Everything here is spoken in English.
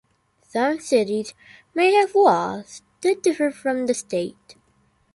Some cities may have laws that differ from the state.